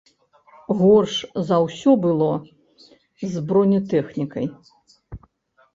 Горш за ўсё было з бронетэхнікай.